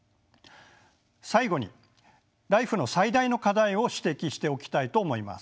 最後にＬＩＦＥの最大の課題を指摘しておきたいと思います。